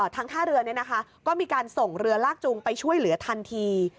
ทางท่าเรือก็มีการส่งเรือลากจูงไปช่วยเหลือทันที